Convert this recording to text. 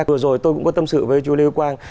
vừa rồi tôi cũng có tâm sự với chú lưu quang